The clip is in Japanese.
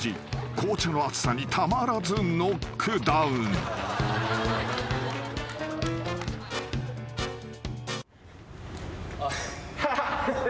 ［紅茶の熱さにたまらずノックダウン］あっ。